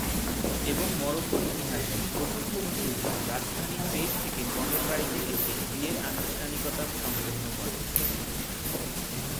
এবং মরক্কোর ইতিহাসে প্রথম কোনো সুলতান রাজধানী ফেজ থেকে কনের বাড়িতে এসে বিয়ে বিয়ের আনুষ্ঠানিকতা সম্পন্ন করেন।